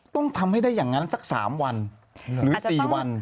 ต้องทำให้ได้อย่างนั้นสัก๓วันหรือ๔วัน